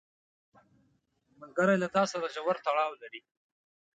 ملګری له تا سره ژور تړاو لري